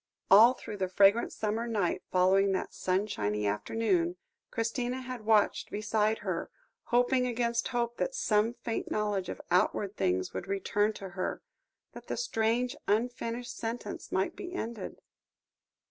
All through the fragrant summer night following that sunshiny afternoon, Christina had watched beside her, hoping against hope that some faint knowledge of outward things would return to her, that the strange unfinished sentence might be ended.